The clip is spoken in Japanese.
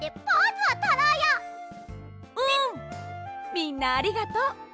みんなありがとう。